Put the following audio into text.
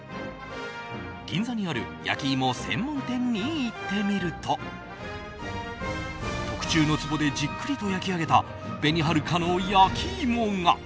銀座にある焼き芋専門店に行ってみると特注のつぼでじっくりと焼き上げた紅はるかの焼き芋が。